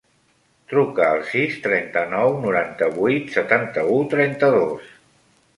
Truca al sis, trenta-nou, noranta-vuit, setanta-u, trenta-dos.